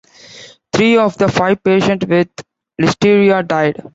Three of the five patients with listeria died.